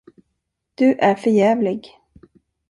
Du är för jävlig.